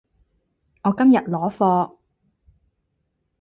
我今日攞貨